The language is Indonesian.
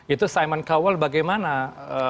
itu simon cowell bagaimana responnya ketika